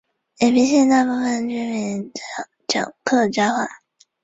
平远县大部分居民讲客家话。